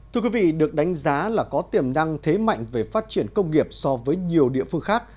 thưa quý vị được đánh giá là có tiềm năng thế mạnh về phát triển công nghiệp so với nhiều địa phương khác